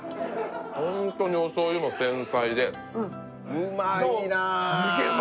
ホントにお醤油も繊細でうまいなあどう？